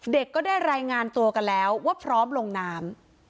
ก็ได้รายงานตัวกันแล้วว่าพร้อมลงน้ำ